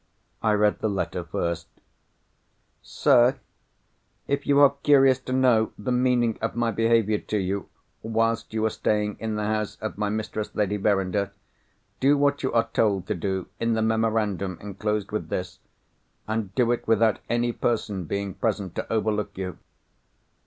I read the letter first:— "Sir,—If you are curious to know the meaning of my behaviour to you, whilst you were staying in the house of my mistress, Lady Verinder, do what you are told to do in the memorandum enclosed with this—and do it without any person being present to overlook you.